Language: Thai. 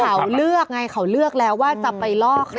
เขาเลือกเนี่ยเขาเลือกแล้วว่าจะไปลอกไหน